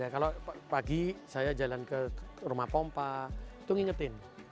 kalau pagi saya jalan ke rumah pompa itu ngingetin